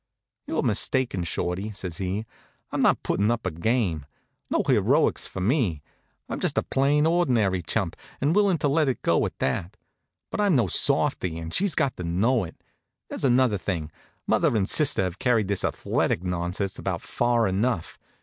"You're mistaken, Shorty," says he. "I'm not putting up a game. No heroics for me. I'm just a plain, ordinary chump, and willing to let it go at that. But I'm no softy, and she's got to know it. There's another thing: mother and sister have carried this athletic nonsense about far enough.